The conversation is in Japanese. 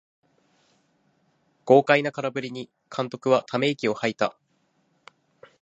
豪快な空振りに監督はため息をはいた